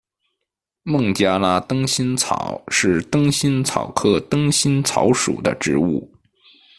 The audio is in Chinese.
孟加拉灯心草是灯心草科灯心草属的植物。